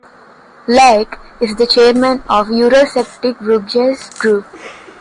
Legg is the chairman of the Eurosceptic Bruges Group.